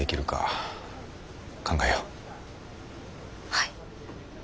はい。